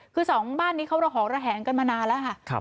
คือสองบ้านนี้เขาระหองระแหงกันมานานแล้วค่ะ